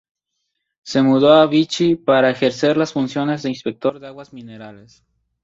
Se mudó a Vichy para ejercer las funciones de inspector de aguas minerales.